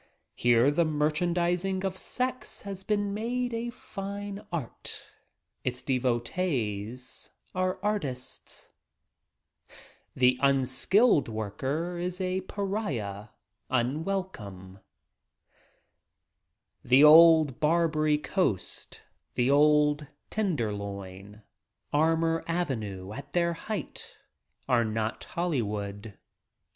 Here the merchandizing of sex has been made a fine art — its devotees are artists. The unskilled worker is a pariah — unwelcome. The old Barbarv Coast the old Tenderloin Barbary Armour Avenue, at their height, are not Hollywood.